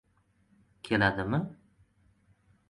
— Keladimi?